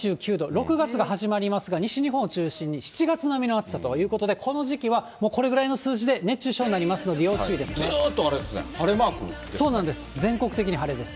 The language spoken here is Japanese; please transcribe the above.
６月が始まりますが、西日本を中心に７月並みの暑さということで、この時期はもうこれぐらいの数字で熱中症になりますので、ずっとあれですね、晴れマーそうなんです、全国的に晴れです。